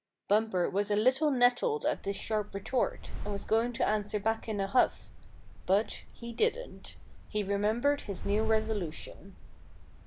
Bumper was a little nettled at this sharp retort, and was going to answer back in a huff; but he didn't. He remembered his new resolution.